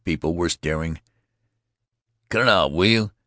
People were staring. "Cut it out, will you!